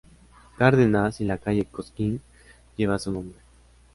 Cárdenas y la calle Cosquín, llevan su nombre.